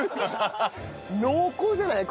濃厚じゃない？